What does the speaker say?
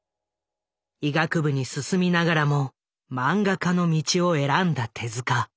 医学部に進みながらも漫画家の道を選んだ手。